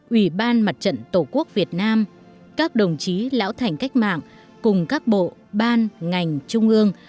ủy ban mặt trận tổ quốc việt nam các đồng chí lão thành cách mạng cùng các bộ ban ngành trung ương